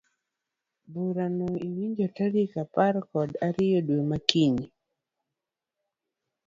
Burano iwinjo tarik apar kod ariyo dwe makiny.